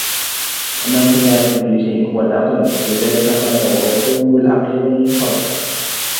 لِأَنَّ الْخِيَارَ فِي كُلِّ شَيْءٍ هُوَ الْأَقَلُّ ، فَلِذَلِكَ قَلَّ وُفُورُ الْعَقْلِ وَالْفَضْلِ